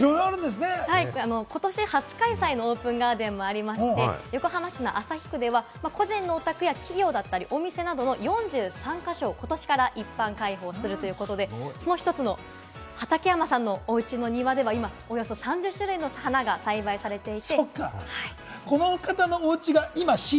今年初開催のオープンガーデンもありまして、横浜市の旭区では個人のお宅だったり、企業だったり、お店など４３か所を一般公開するということで、その一つ、畠山さんのおうちの庭では、およそ３０種類の花が栽培されていて。